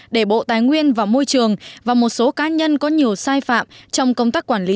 để bộ tài nguyên và môi trường và một số cá nhân có nhiều sai phạm trong công tác quản lý